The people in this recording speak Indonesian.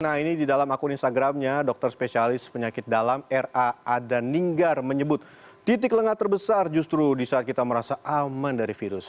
nah ini di dalam akun instagramnya dokter spesialis penyakit dalam raa dan ninggar menyebut titik lengah terbesar justru di saat kita merasa aman dari virus